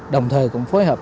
đồng thời cũng phối hợp